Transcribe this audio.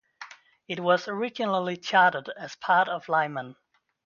It was originally chartered as part of Lyman.